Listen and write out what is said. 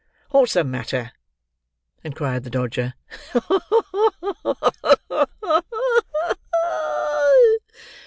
"What's the matter?" inquired the Dodger.